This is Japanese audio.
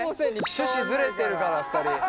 趣旨ずれてるから２人。